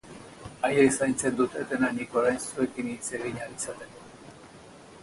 Haiek zaintzen dute dena nik orain zuekin hitz egin ahal izateko.